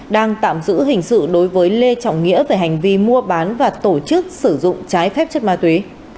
đang tạm giữ hình sự đối với lê trọng nghĩa về hành vi mua bán và tổ chức sử dụng trái phép chất ma túy